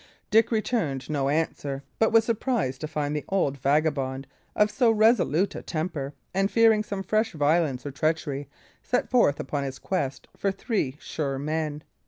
Dick returned no answer; but he was surprised to find the old vagabond of so resolute a temper, and fearing some fresh violence or treachery, set forth upon his quest for three sure men.